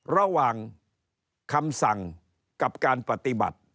ระหว่างคำสั่งกับการปฏิบัติ